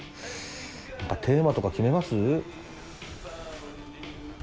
何かテーマとか決めます？